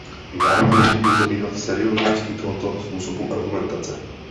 Dále se již nebudu zabývat seriózností tohoto způsobu argumentace.